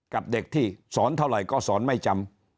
กับเด็กที่สอนเท่าไหร่ก็สอนไม่จำ